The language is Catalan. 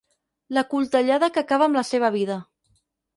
La coltellada que acaba amb la seva vida.